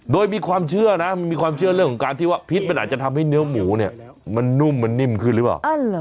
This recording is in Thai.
โดยมีความเชื่อนะมันมีความเชื่อเรื่องของการที่ว่าพิษมันอาจจะทำให้เนื้อหมูเนี่ยมันนุ่มมันนิ่มขึ้นหรือเปล่า